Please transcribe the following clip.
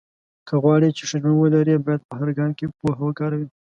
که غواړې چې ښه ژوند ولرې، باید په هر ګام کې پوهه وکاروې.